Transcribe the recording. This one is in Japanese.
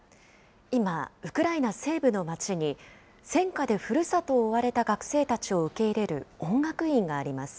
今、ウクライナ西部の街に、戦火でふるさとを追われた学生たちを受け入れる音楽院があります。